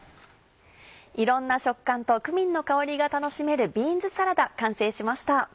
いろんな食感とクミンの香りが楽しめるビーンズサラダ完成しました。